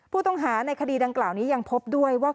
ผู้ต้องหาในคดีดังกล่าวนี้ยังพบด้วยว่า